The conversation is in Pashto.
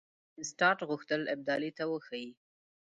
وینسیټارټ غوښتل ابدالي ته وښيي.